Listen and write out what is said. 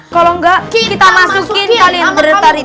kalo enggak kita masukin kalian berdari dari